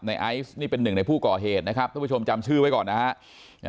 ไอซ์นี่เป็นหนึ่งในผู้ก่อเหตุนะครับท่านผู้ชมจำชื่อไว้ก่อนนะฮะ